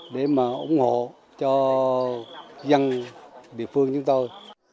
để mà ủng hộ cho dân địa phương chúng tôi